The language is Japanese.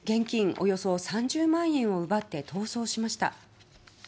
およそ３０万円を奪って逃走しました。